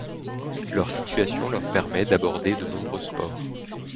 Leur situation leur permet d'aborder de nombreux sports.